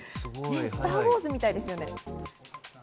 『スター・ウォーズ』みたいですよね。